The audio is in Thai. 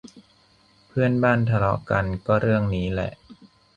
เพื่อนบ้านทะเลาะกันก็เรื่องนี้แหละ